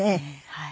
はい。